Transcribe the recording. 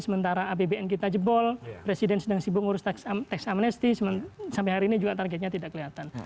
sementara abbn kita jebol presiden sedang sibuk mengurus tax amnesti sampai hari ini juga targetnya tidak kelihatan